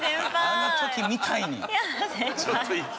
あの時みたいに。